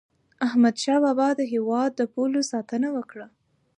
احمد شاه بابا د هیواد د پولو ساتنه وکړه.